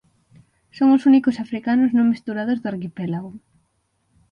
Son os únicos africanos non mesturados do arquipélago.